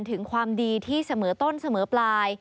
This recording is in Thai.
ถึงความดีที่เสมอต้นเสมอปลาย